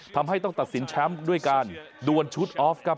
ทำให้ต้องตัดสินแชมป์ด้วยการดวนชุดออฟครับ